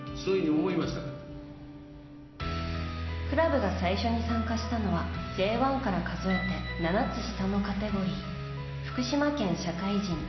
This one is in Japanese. クラブが最初に参加したのはＪ１から数えて７つ下のカテゴリー福島県社会人